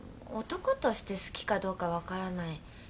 男として好きかどうか分からない。